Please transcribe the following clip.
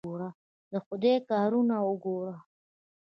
د خدای کارونه وګوره!